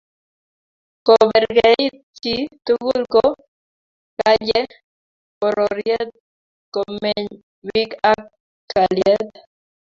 ko kerkeit chi tugul ko Kanye pororiet komeny bik ak kalyet